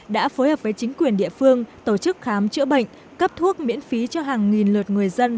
đã phối hợp với chính quyền địa phương tổ chức khám chữa bệnh cấp thuốc miễn phí cho hàng nghìn lượt người dân